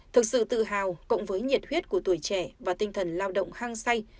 thực sự tự hào cộng với nhiệt huyết của tuổi trẻ và tinh thần lao động hăng say